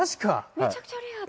めちゃくちゃレアだ！